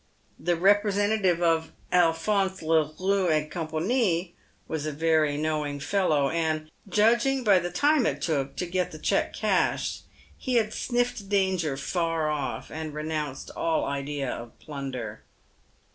The representative of " Alphonse Lerouville et C ie " was a very knowing fellow, and, judging by the time it took to get the cheque cashed, had sniffed danger afar off, and renounced all idea of plunder.